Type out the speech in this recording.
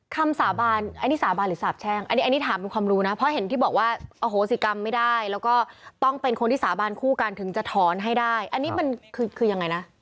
คำสาบานอันนี้สาบานหรือสาบแช่งอันนี้อันนี้ถามเป็นความรู้นะเพราะเห็นที่บอกว่าอโหสิกรรมไม่ได้แล้วก็ต้องเป็นคนที่สาบานคู่กันถึงจะถอนให้ได้อันนี้มันคือยังไงนะ